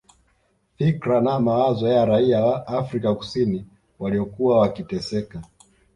Fikra na mawazo ya raia wa Afrika kusini waliokuwa wakiteseka